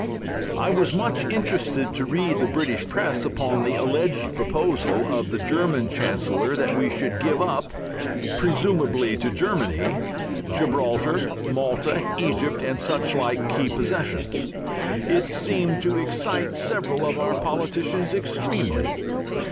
I was much interested to read the British press upon the alleged proposal of the German Chancellor that we should give up (presumably to Germany) Gibraltar, Malta, Egypt, and suchlike key possessions. It seemed to excite several of our politicians extremely.